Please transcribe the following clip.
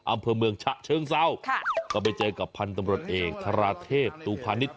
อำเภอเมืองฉะเชิงเศร้าค่ะก็ไปเจอกับพันธุ์ตำรวจเอกธาราเทพตูพาณิชย